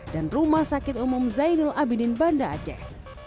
rumah sakit umum zainul abidin banda aceh